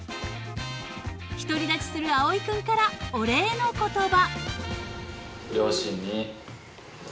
［独り立ちする葵君からお礼の言葉］